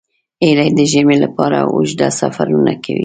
هیلۍ د ژمي لپاره اوږده سفرونه کوي